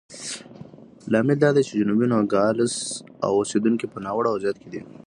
لامل دا دی چې جنوبي نوګالس اوسېدونکي په ناوړه وضعیت کې دي.